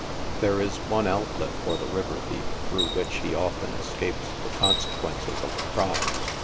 There is one outlet for the river thief through which he often es capes the consequences of a crime.